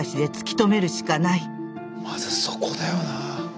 まずそこだよな。